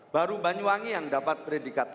baru banyuwangi yang dapat predikat